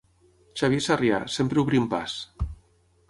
Xavier Sarrià, sempre Obrint Pas.